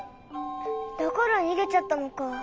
だからにげちゃったのか。